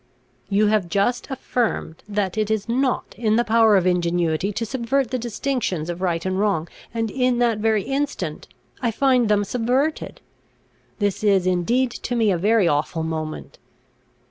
You have just affirmed that it is not in the power of ingenuity to subvert the distinctions of right and wrong, and in that very instant I find them subverted. This is indeed to me a very awful moment.